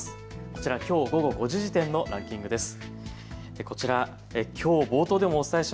こちら、きょう午後５時時点のランキングです。